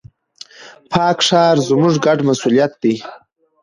پاک ښار، زموږ ګډ مسؤليت دی.